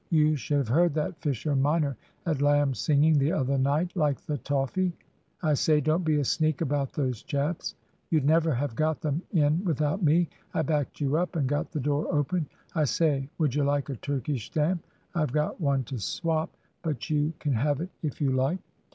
You should have heard that Fisher minor at lamb's singing the other night like the toffee? I say, don't be a sneak about those chaps. You'd never have got them in without me. I backed you up, and got the door open. I say would you like a Turkish stamp? I've got one to swop but you can have it if you like."